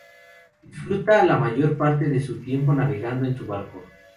Disfruta la mayor parte de su tiempo navegando en su barco.